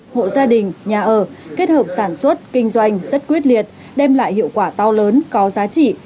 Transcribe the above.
hộ gia đình nhà ở kết hợp sản xuất kinh doanh rất quyết liệt đem lại hiệu quả to lớn có giá trị